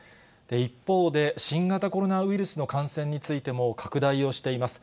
一方で、新型コロナウイルスの感染についても、拡大をしています。